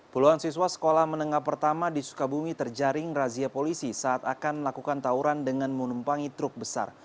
puluhan siswa sekolah menengah pertama di sukabumi terjaring razia polisi saat akan melakukan tawuran dengan menumpangi truk besar